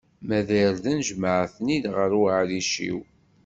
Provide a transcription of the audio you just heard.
Ma d irden, jemɛet-ten-id ɣer uɛric-iw.